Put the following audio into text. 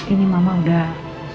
ini mama udah